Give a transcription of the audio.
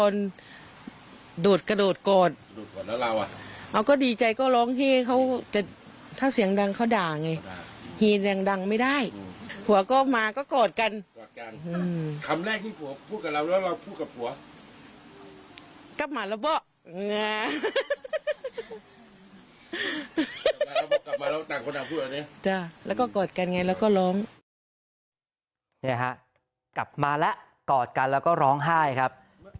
นี่ฮะกลับมาแล้วกอดกันแล้วก็ร้องไห้ครับ